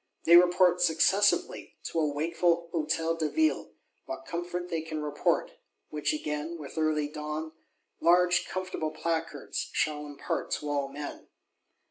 They report, successively, to a wakeful Hôtel de Ville what comfort they can report; which again, with early dawn, large comfortable Placards, shall impart to all men.